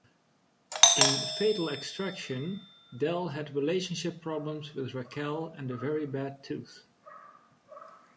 In "Fatal Extraction", Del had relationship problems with Raquel and a very bad tooth.